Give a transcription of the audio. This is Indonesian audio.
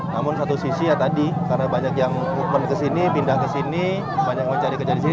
namun satu sisi ya tadi karena banyak yang movement kesini pindah ke sini banyak yang mencari kerja di sini